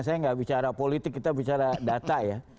saya nggak bicara politik kita bicara data ya